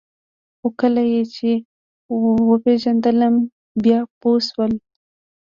خو کله یې چې زه وپېژندلم بیا پوه شول